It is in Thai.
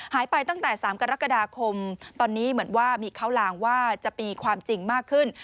หายไปตั้งแต่๓กรกฎาคมตอนนี้เหมือนว่ามีข้าวลางว่าจะมีความจริงมากขึ้น